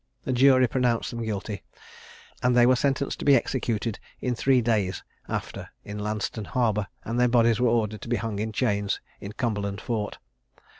The jury pronounced them guilty; and they were sentenced to be executed in three days after in Lanston Harbour, and their bodies were ordered to be hung in chains in Cumberland Fort.